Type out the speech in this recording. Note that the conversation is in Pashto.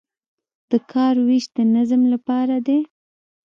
د کار ویش د نظم لپاره دی